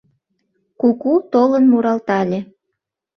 Куку толын муралтале.